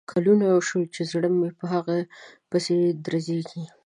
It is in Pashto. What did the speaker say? کلونه شول چې زړه مې په هغه پسې درزیږي